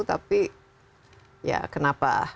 tapi ya kenapa